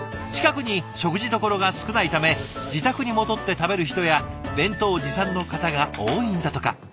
近くに食事どころが少ないため自宅に戻って食べる人や弁当持参の方が多いんだとか。